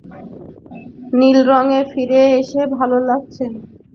নীল রঙে ফিরে এসে ভালো লাগছে।